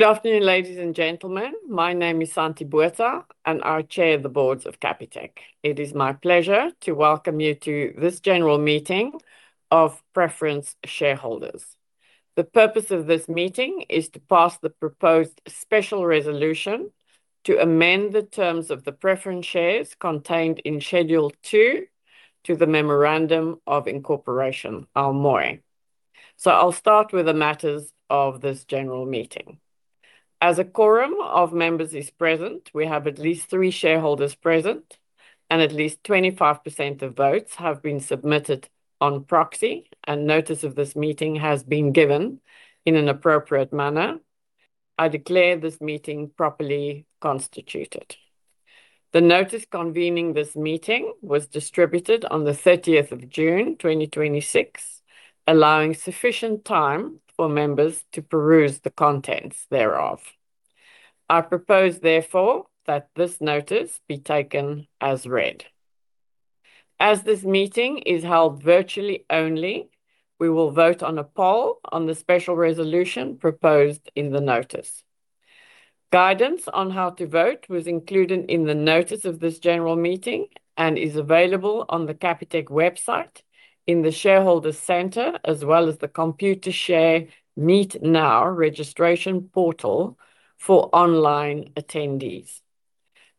Good afternoon, ladies and gentlemen. My name is Santie Botha, and I Chair of the boards of Capitec. It is my pleasure to welcome you to this general meeting of preference shareholders. The purpose of this meeting is to pass the proposed special resolution to amend the terms of the preference shares contained in Schedule 2 to the Memorandum of Incorporation, our MoI. I will start with the matters of this general meeting. As a quorum of members is present, we have at least three shareholders present, and at least 25% of votes have been submitted on proxy, and notice of this meeting has been given in an appropriate manner. I declare this meeting properly constituted. The notice convening this meeting was distributed on the June 30th, 2026, allowing sufficient time for members to peruse the contents thereof. I propose, therefore, that this notice be taken as read. As this meeting is held virtually only, we will vote on a poll on the special resolution proposed in the notice. Guidance on how to vote was included in the notice of this general meeting and is available on the Capitec website in the shareholder center, as well as the Computershare MeetNow registration portal for online attendees.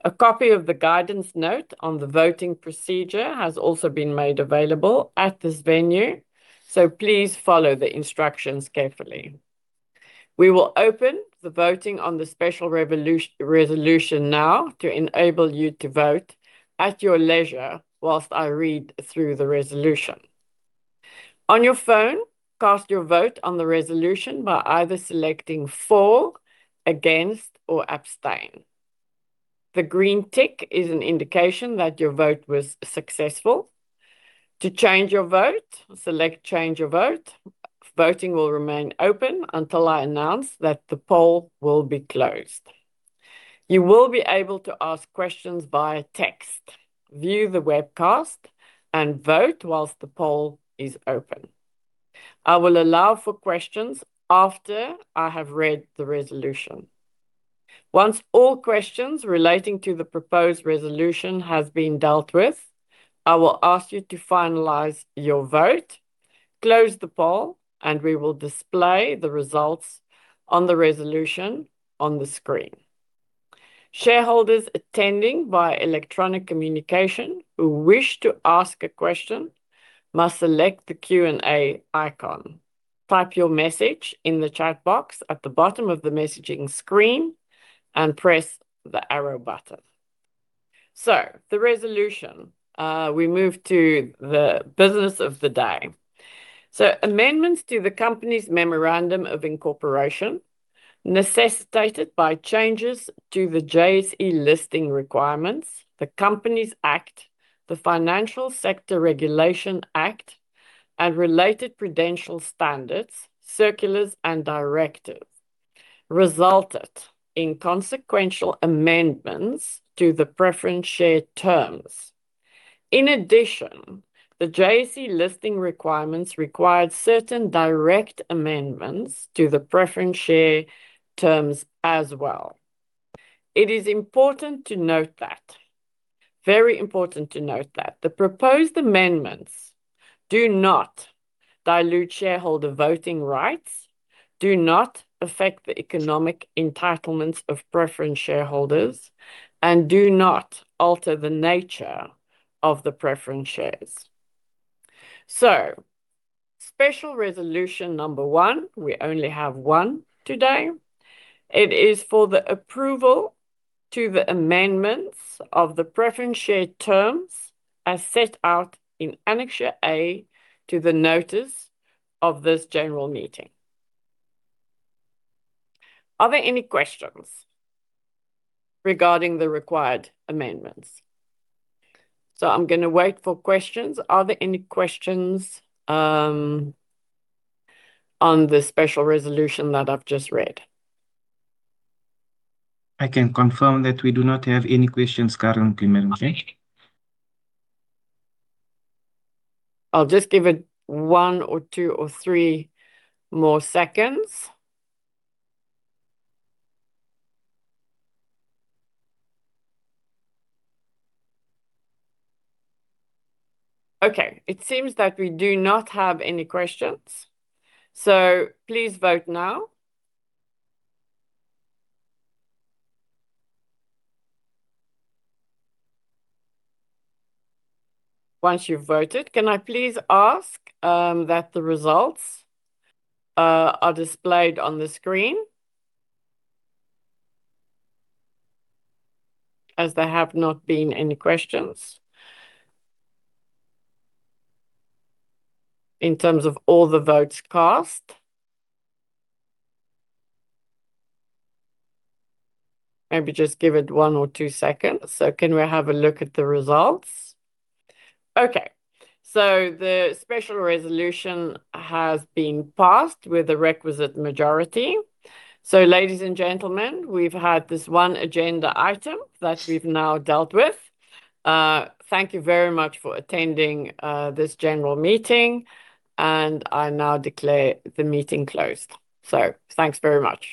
A copy of the guidance note on the voting procedure has also been made available at this venue. Please follow the instructions carefully. We will open the voting on the special resolution now to enable you to vote at your leisure whilst I read through the resolution. On your phone, cast your vote on the resolution by either selecting for, against, or abstain. The green tick is an indication that your vote was successful. To change your vote, select change your vote. Voting will remain open until I announce that the poll will be closed. You will be able to ask questions via text, view the webcast, and vote whilst the poll is open. I will allow for questions after I have read the resolution. Once all questions relating to the proposed resolution has been dealt with, I will ask you to finalize your vote, close the poll, and we will display the results on the resolution on the screen. Shareholders attending via electronic communication who wish to ask a question must select the Q&A icon, type your message in the chat box at the bottom of the messaging screen, and press the arrow button. The resolution. We move to the business of the day. Amendments to the company's Memorandum of Incorporation necessitated by changes to the JSE Listings Requirements, the Companies Act, the Financial Sector Regulation Act, and related Prudential Standards, circulars and directives resulted in consequential amendments to the preference share terms. In addition, the JSE Listings Requirements required certain direct amendments to the preference share terms as well. It is very important to note that the proposed amendments do not dilute shareholder voting rights, do not affect the economic entitlements of preference shareholders, and do not alter the nature of the preference shares. Special resolution number one, we only have one today. It is for the approval to the amendments of the preference share terms as set out in Annexure A to the notice of this general meeting. Are there any questions regarding the required amendments? I am going to wait for questions. Are there any questions on the special resolution that I've just read? I can confirm that we do not have any questions currently, madam Chair. Okay. I'll just give it one or two or three more seconds. Okay. It seems that we do not have any questions. Please vote now. Once you've voted, can I please ask that the results are displayed on the screen as there have not been any questions in terms of all the votes cast. Maybe just give it one or two seconds. Can we have a look at the results? Okay. The special resolution has been passed with the requisite majority. Ladies and gentlemen, we've had this one agenda item that we've now dealt with. Thank you very much for attending this general meeting, and I now declare the meeting closed. Thanks very much.